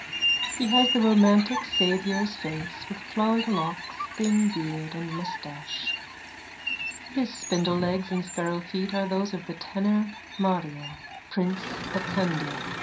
He has the romantic Saviour's face with flowing locks, thin beard and moustache. His spindlelegs and sparrow feet are those of the tenor Mario, prince of Candia.